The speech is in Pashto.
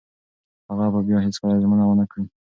هغه به بیا هیڅکله ژمنه ونه کړي.